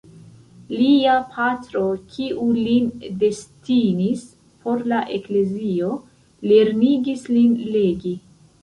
Lia patro, kiu lin destinis por la eklezio, lernigis lin legi.